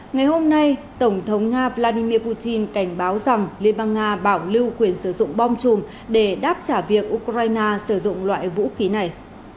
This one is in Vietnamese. ngày hôm nay tổng thống nga vladimir putin cảnh báo rằng liên bang nga bảo lưu quyền sử dụng bom chùm để đáp trả việc ukraine sử dụng loại vũ khí này